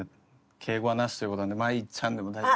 敬語はなしという事なんで麻衣ちゃんでも大丈夫？